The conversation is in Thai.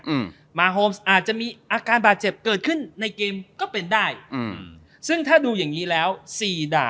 อืมมาโฮมอาจจะมีอาการบาดเจ็บเกิดขึ้นในเกมก็เป็นได้อืมซึ่งถ้าดูอย่างงี้แล้วสี่ด่า